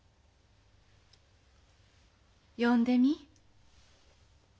読んでみ。